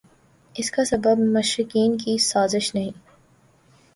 اس کا سبب مشترقین کی سازش نہیں